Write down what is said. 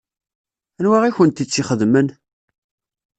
Anwa i kent-tt-ixedmen?